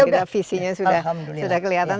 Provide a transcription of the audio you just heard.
sebaliknya visinya sudah kelihatan